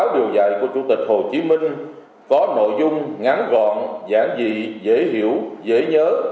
điều dạy của chủ tịch hồ chí minh có nội dung ngắn gọn giảng dị dễ hiểu dễ nhớ